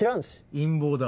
陰謀だ。